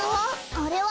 あれは？